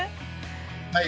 はい。